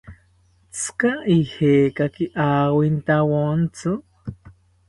¿Tzika ijekaki awintawontzi?